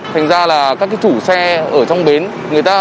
thành ra là các chủ xe ở trong bến